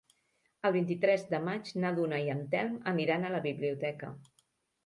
El vint-i-tres de maig na Duna i en Telm aniran a la biblioteca.